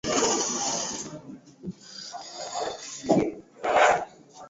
angalau hugawanyika mara mbili na sio tu kwa sababu